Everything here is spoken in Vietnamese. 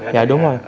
dạ đúng rồi